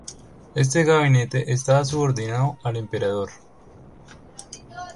Este gabinete estaba subordinado al Emperador.